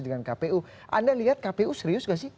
dengan kpu anda lihat kpu serius gak sih